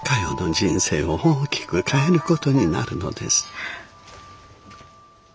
人生を大きく変える事になるのです。